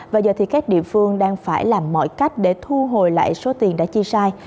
và giờ thì các địa phương đang phải làm mọi cách để thu hồi lại số tiền đã chi sai